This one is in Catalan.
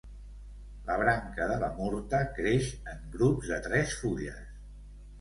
La branca de la murta creix en grups de tres fulles.